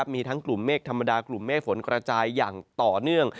มีทั้งกลุ่มเมฆธรรมดากลุ่มเมฆฝนกระจายอย่างต่อเนื่อง